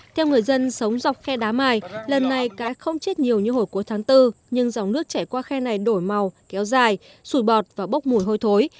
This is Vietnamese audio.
theo người dân sống dọc khe đá mài lần này cá không chết nhiều như hồi cuối tháng bốn nhưng dòng nước chảy qua khe này đổi màu kéo dài sủi bọt và bốc mùi hôi thối